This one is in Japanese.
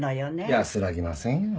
安らぎませんよ。